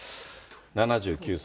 ７９歳。